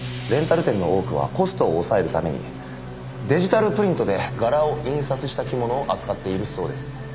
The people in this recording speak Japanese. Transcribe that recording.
レンタル店の多くはコストを抑えるためにデジタルプリントで柄を印刷した着物を扱っているそうです。